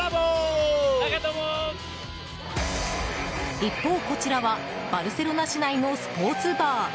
一方、こちらはバルセロナ市内のスポーツバー。